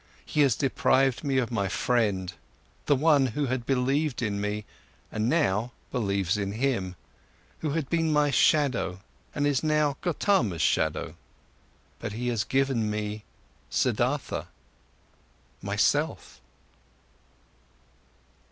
He has deprived me of my friend, the one who had believed in me and now believes in him, who had been my shadow and is now Gotama's shadow. But he has given me Siddhartha, myself.